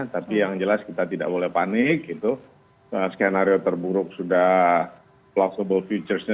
tapi yang jelas kita tidak boleh panik skenario terburuk sudah flowb futuresnya